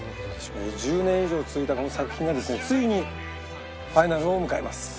１０年以上続いたこの作品がですねついにファイナルを迎えます。